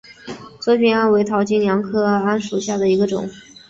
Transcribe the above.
粗皮桉为桃金娘科桉属下的一个种。